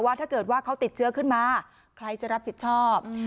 ถ้าเกิดว่าเขาติดเชื้อขึ้นมาใครจะรับผิดชอบ